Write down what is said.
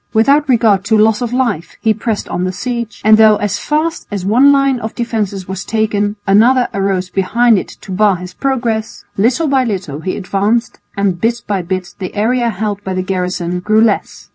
Without regard to loss of life he pressed on the siege, and though as fast as one line of defences was taken another arose behind it to bar his progress, little by little he advanced and bit by bit the area held by the garrison grew less.